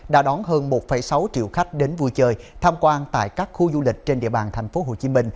đã đón hơn một sáu triệu khách đến vui chơi tham quan tại các khu du lịch trên địa bàn tp hcm